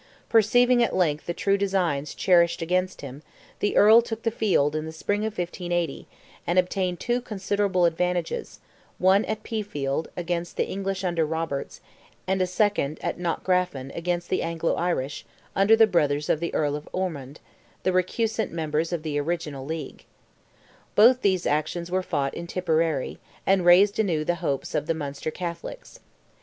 Perceiving at length the true designs cherished against him, the Earl took the field in the spring of 1580, and obtained two considerable advantages, one at Pea field, against the English under Roberts, and a second at Knockgraffon against the Anglo Irish, under the brothers of the Earl of Ormond, the recusant members of the original league. Both these actions were fought in Tipperary, and raised anew the hopes of the Munster Catholics.